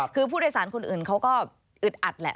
คือผู้โดยสารคนอื่นเขาก็อึดอัดแหละ